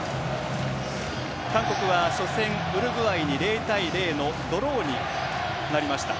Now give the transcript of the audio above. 韓国は初戦ウルグアイに０対０のドローになりました。